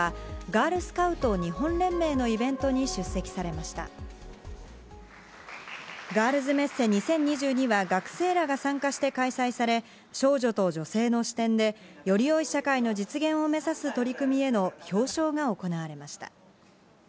ガールズメッセ２０２２は、学生らが参加して開催され、少女と女性の視点で、よりよい社会の実現を目指す取り組みへの表彰が行われました。